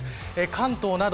関東など